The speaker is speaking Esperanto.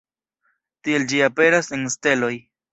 Tiel ĝi aperas en steloj.